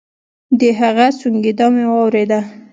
د هغه سونګېدا مې واورېد.